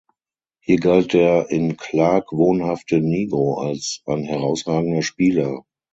Hier galt der in Clark wohnhafte Nigro als ein herausragender Spieler.